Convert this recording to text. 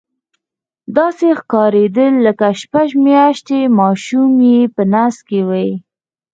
داسې ښکارېدل لکه شپږ میاشتنی ماشوم یې په نس وي.